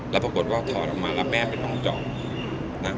แล้วปรากฏว่าถอดออกมาแล้วแม่เป็นห้องเจาะนะ